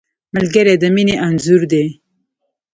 ملګری د مینې انځور دی